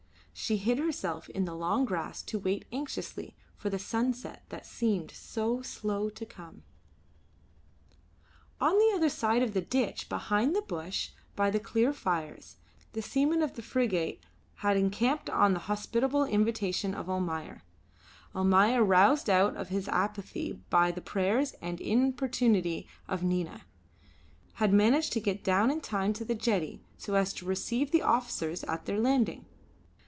She hid herself in the long grass to wait anxiously for the sunset that seemed so slow to come. On the other side of the ditch, behind the bush, by the clear fires, the seamen of the frigate had encamped on the hospitable invitation of Almayer. Almayer, roused out of his apathy by the prayers and importunity of Nina, had managed to get down in time to the jetty so as to receive the officers at their landing.